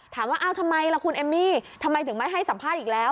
ถามว่าเอ้าทำไมล่ะคุณเอมมี่ทำไมถึงไม่ให้สัมภาษณ์อีกแล้ว